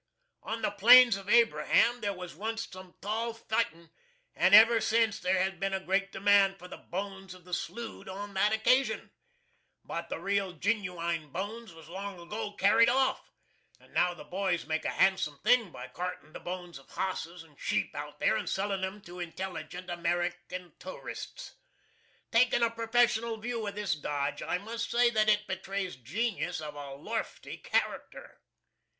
On the Plains of Abraham there was onct some tall fitin', and ever since then there has been a great demand for the bones of the slew'd on that there occasion. But the real ginooine bones was long ago carried off, and now the boys make a hansum thing by cartin' the bones of hosses and sheep out there, and sellin' 'em to intelligent American towerists. Takin' a perfessional view of this dodge, I must say that it betrays genius of a lorfty character.